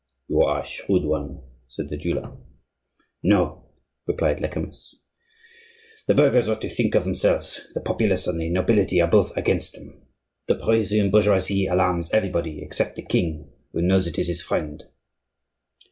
"You are a shrewd one," said the jeweller. "No," replied Lecamus. "The burghers ought to think of themselves; the populace and the nobility are both against them. The Parisian bourgeoisie alarms everybody except the king, who knows it is his friend."